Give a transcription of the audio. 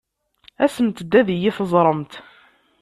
Asemt-d ad iyi-teẓṛemt.